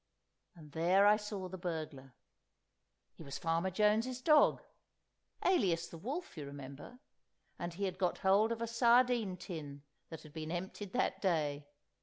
And there I saw the burglar—he was Farmer Jones's dog (alias the wolf, you remember), and he had got hold of a sardine tin that had been emptied that day.